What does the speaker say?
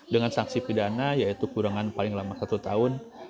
dengan sanksi pidana yaitu kurangan paling lama satu tahun